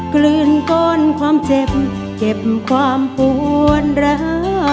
กลืนก้อนความเจ็บเก็บความปวนร้า